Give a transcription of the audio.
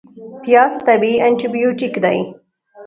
پیاز طبیعي انتي بیوټیک دی